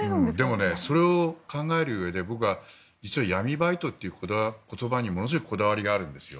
でも、それを考えるうえで僕は闇バイトという言葉にものすごいこだわりがあるんです。